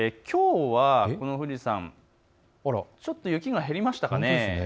きょうはこの富士山、ちょっと雪が減りましたね。